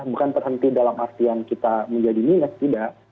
bukan terhenti dalam artian kita menjadi minus tidak